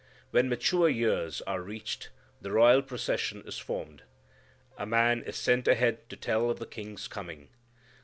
When mature years are reached, the royal procession is formed. A man is sent ahead to tell of the King's coming.